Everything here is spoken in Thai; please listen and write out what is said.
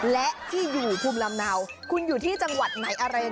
และที่อยู่ภูมิลำเนาคุณอยู่ที่จังหวัดไหนอะไร